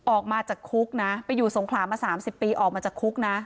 ออกมาจากคุกนะไปอยู่สงขลามา๓๐ปีออกมาจากคุกนะ